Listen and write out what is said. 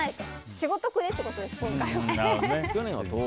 仕事くれってことです、今回は。